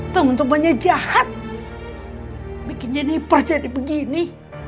temen temennya jahat bikin jennifer jadi begini